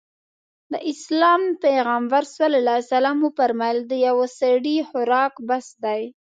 د اسلام پيغمبر ص وفرمايل د يوه سړي خوراک بس دی.